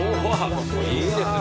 いいですね。